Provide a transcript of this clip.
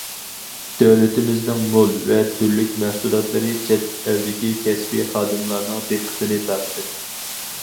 دۆلىتىمىزنىڭ مول ۋە تۈرلۈك مەھسۇلاتلىرى چەت ئەلدىكى كەسپىي خادىملارنىڭ دىققىتىنى تارتتى.